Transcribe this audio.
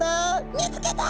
見つけた！」